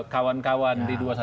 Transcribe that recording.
kawan kawan di dua ratus dua belas